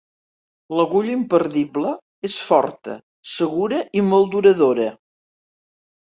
L'agulla imperdible és forta, segura i molt duradora.